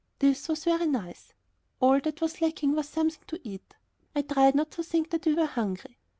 This was very nice. All that was lacking was something to eat. I tried not to think that we were hungry.